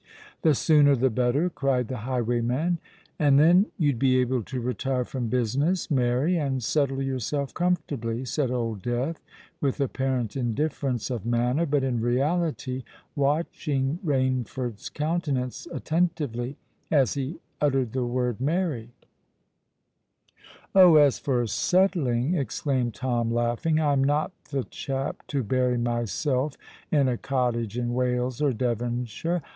"The sooner, the better," cried the highwayman. "And then you'd be able to retire from business—marry—and settle yourself comfortably," said Old Death, with apparent indifference of manner, but in reality watching Rainford's countenance attentively as he uttered the word "marry." "Oh! as for settling," exclaimed Tom, laughing, "I am not the chap to bury myself in a cottage in Wales or Devonshire.